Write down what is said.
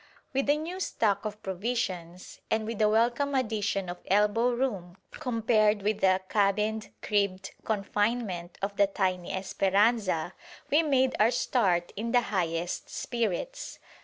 With a new stock of provisions, and with a welcome addition of elbow room compared with the "cabined, cribbed confinement" of the tiny "Esperanza," we made our start in the highest spirits.